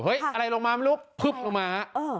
เฮ้ยอะไรลงมามั้ยลูกพึบลงมาฮะเออ